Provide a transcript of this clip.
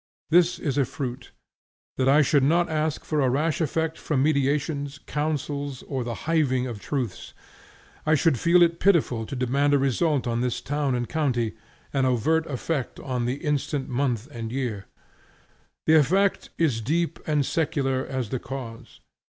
This is a fruit, that I should not ask for a rash effect from meditations, counsels and the hiving of truths. I should feel it pitiful to demand a result on this town and county, an overt effect on the instant month and year. The effect is deep and secular as the cause.